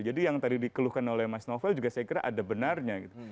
jadi yang tadi dikeluhkan oleh mas novel juga saya kira ada benarnya gitu